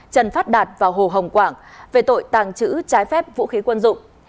trần phát đạt và hồ hồng quảng về tội tàng trữ trái phép vũ khí quân dụng